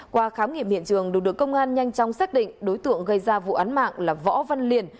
qua khám nghiệm hiện trường lực lượng công an nhanh chóng xác định đối tượng gây ra vụ án mạng là võ văn liền